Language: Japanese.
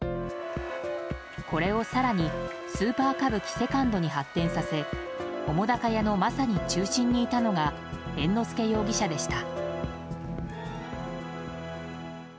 これを更に「スーパー歌舞伎セカンド」に発展させ澤瀉屋のまさに中心にいたのが猿之助容疑者でした。